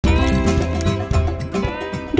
โปรบตรวจจัดการ